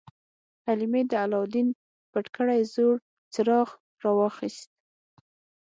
حلیمې د علاوالدین پټ کړی زوړ څراغ راواخیست.